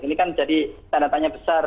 ini kan jadi tanda tanya besar